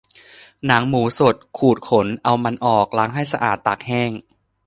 หนังหมูสด ขูดขน เอามันออก ล้างให้สะอาด ตากแห้ง